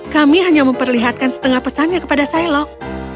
kami hanya memperlihatkan setengah pesannya kepada silok